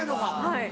はい。